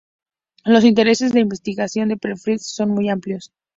Los intereses de investigación de Pfeffer son muy amplios.